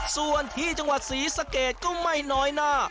ส่วนที่จังหวัดศรีสะเกดก็ไม่น้อยหน้า